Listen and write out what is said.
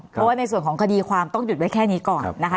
เพราะว่าในส่วนของคดีความต้องหยุดไว้แค่นี้ก่อนนะคะ